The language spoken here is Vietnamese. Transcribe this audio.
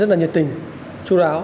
rất là nhiệt tình chú đáo